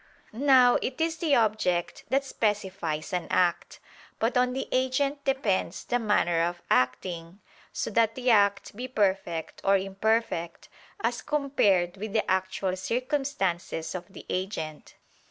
Now it is the object that specifies an act: but on the agent depends the manner of acting, so that the act be perfect or imperfect, as compared with the actual circumstances of the agent.